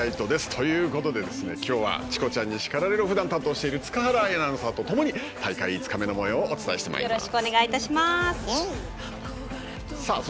ということで今日は「チコちゃんに叱られる！」をふだん担当している塚原愛アナウンサーと共に大会５日目のもようをお伝えしてまいります。